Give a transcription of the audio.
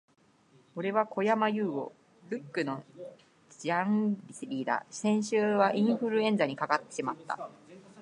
俺はこやまゆうご。Lock のジャンリだ。先週はインフルエンザにかかってしまった、、、